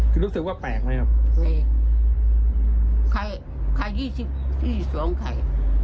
คือรู้สึกว่าแปลกไหมครับแปลกไข่ยี่สิบยี่สองไข่